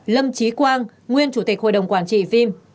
lâm trí quang nguyên chủ tịch hội đồng quản trị phim